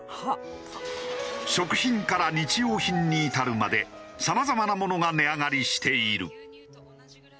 食品から日用品に至るまでさまざまなものが値上がりしている。